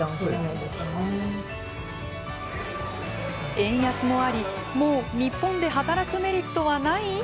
円安もありもう日本で働くメリットはない？